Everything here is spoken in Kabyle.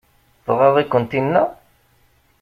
Tɣaḍ-iken tinna?